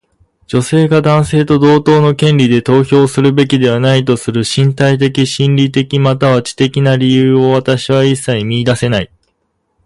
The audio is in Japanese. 女性が男性と同等の権利で投票するべきではないとする身体的、心理的、または知的な理由を私は一切見いだせない。